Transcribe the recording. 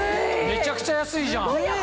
めちゃくちゃ安いじゃん！